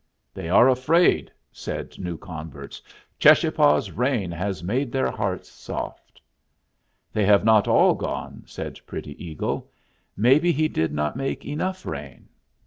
"They are afraid," said new converts. "Cheschapah's rain has made their hearts soft." "They have not all gone," said Pretty Eagle. "Maybe he did not make enough rain."